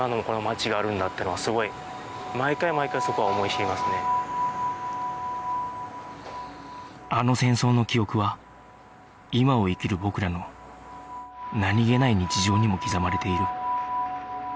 やっぱりあの戦争の記憶は今を生きる僕らの何げない日常にも刻まれている